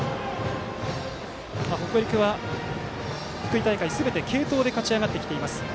北陸は、福井大会すべて継投で勝ち上がってきています。